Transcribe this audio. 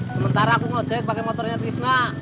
sementara aku ngecek pake motornya tisna